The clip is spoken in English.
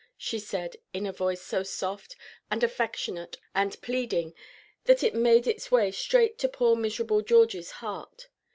she said, in a voice so soft and affectionate and pleading, that it made its way straight to poor miserable Georgie's heart.